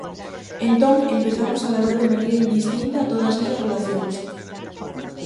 Entón empezamos a labrar de maneira indistinta a todas esas relacións.